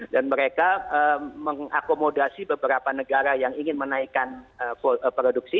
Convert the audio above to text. dan mereka mengakomodasi beberapa negara yang ingin menaikkan produksi